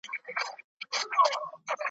سوځول یې یو د بل کلي ښارونه `